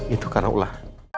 itu karena ulah